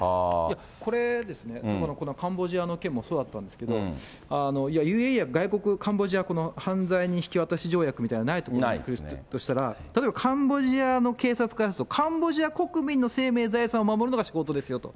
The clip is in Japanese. これですね、カンボジアの件もそうだったんですけど、ＵＡＥやカンボジア、犯罪人引き渡し条約みたいなのがない国だとしたら、例えばカンボジアの警察からすると、カンボジア国民の生命財産を守るのが仕事ですよと。